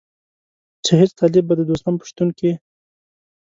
چې هېڅ طالب به د دوستم په شتون کې.